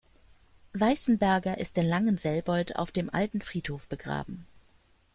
Weissenberger ist in Langenselbold auf dem alten Friedhof begraben.